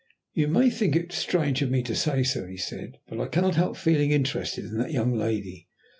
"You may think it strange of me to say so," he said, "but I cannot help feeling interested in that young lady.